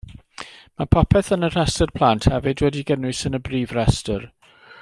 Mae popeth yn y rhestr plant hefyd wedi'i gynnwys yn y brif restr.